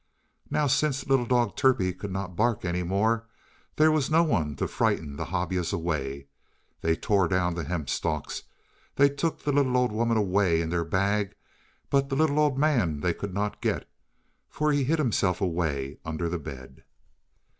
Now, since little dog Turpie could not bark any more, there was no one to frighten the Hobyahs away. They tore down the hemp stalks, they took the little old woman away in their bag, but the little old man they could not get, for he hid himself away under the bed.